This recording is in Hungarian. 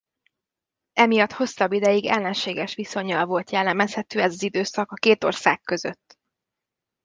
Emiatt hosszabb ideig ellenséges viszonnyal volt jellemezhető ez az időszak a két ország között.